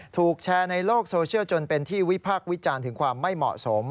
ถูกแชร์ในโลกโซเชียลจนเป็นที่วิพากษ์วิจารณ์ถึงความไม่เหมาะสม